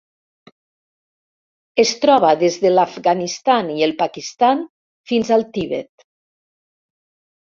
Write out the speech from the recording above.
Es troba des de l'Afganistan i el Pakistan fins al Tibet.